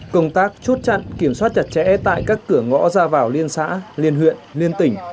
công tác chốt chặn kiểm soát chặt chẽ tại các cửa ngõ ra vào liên xã liên huyện liên tỉnh